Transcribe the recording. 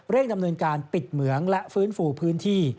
ดำเนินการปิดเหมืองและฟื้นฟูพื้นที่